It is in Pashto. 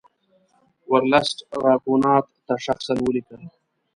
ورلسټ راګونات ته شخصا ولیکل.